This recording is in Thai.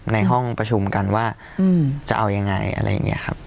ในห้องประชุมกันว่าจะเอายังไงอะไรอย่างนี้ครับ